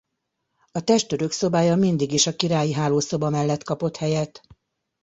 A testőrök szobája mindig is a királyi hálószoba mellett kapott helyet.